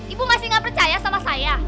ibu masih nggak percaya sama saya